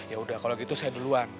ya udah kalau gitu saya duluan